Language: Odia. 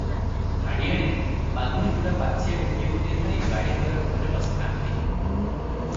ହାଡିଆଣୀ, ପାଲୁଣୀଗୁଡା ପାଛିଆ ଗୋଟିଏ ଗୋଟିଏ ଧରି ବାଡ଼ି ଦୁଆର ପଟରେ ବସିଥାନ୍ତି ।